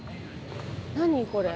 何これ？